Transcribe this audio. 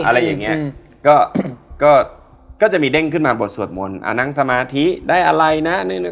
อะไรอย่างเงี้ยก็ก็จะมีเด้งขึ้นมาบทสวดมนต์อ่านั่งสมาธิได้อะไรนะ